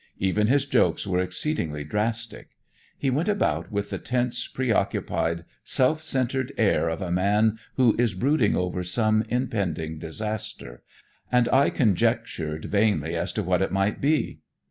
Even his jokes were exceedingly drastic. He went about with the tense, preoccupied, self centered air of a man who is brooding over some impending disaster, and I conjectured vainly as to what it might be.